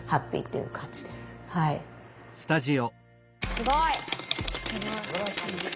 すごい！